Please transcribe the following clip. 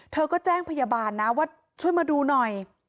เธอก็แจ้งพยาบาลนะว่าช่วยมาดูหน่อย